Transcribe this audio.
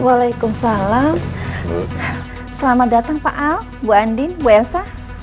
waalaikumsalam selamat datang pak al bu andin bu elsa